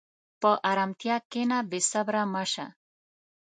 په ارامتیا کښېنه، بېصبره مه شه.